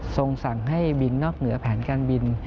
ส่งสั่งให้บินนอกเหนือแผนการบิน